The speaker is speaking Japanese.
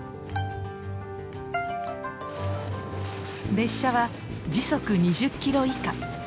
列車は時速２０キロ以下。